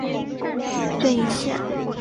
一针一线